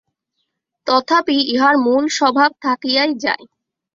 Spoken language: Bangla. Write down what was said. তথাপি ইহার মূল স্বভাব থাকিয়াই যায়।